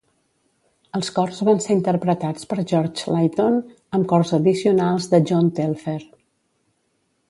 Els cors van ser interpretats per George Layton, amb cors addicionals de John Telfer.